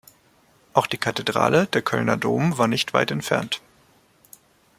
Auch die Kathedrale, der Kölner Dom, war nicht weit entfernt.